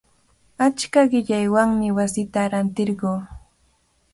Achka qillaywanmi wasita rantirquu.